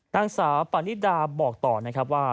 นางสาวปะนี้ด่าบอกต่อว่า